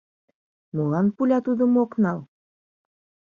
— Молан пуля тудым ок нал?